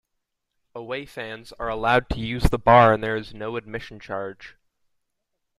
Away fans are allowed to use the bar and there is no admission charge.